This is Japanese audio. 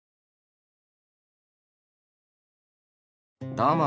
どうも！